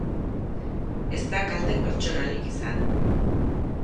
Ez da kalte pertsonalik izan.